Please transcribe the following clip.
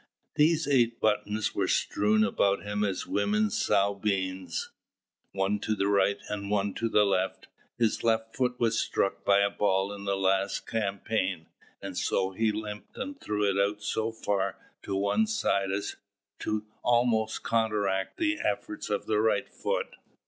These eight buttons were strewn about him as women sow beans one to the right and one to the left. His left foot had been struck by a ball in the last campaign, and so he limped and threw it out so far to one side as to almost counteract the efforts of the right foot.